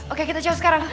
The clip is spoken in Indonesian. oke kita jauh sekarang